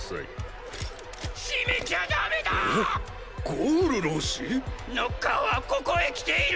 ゴウル老師⁉ノッカーはここへ来ている！！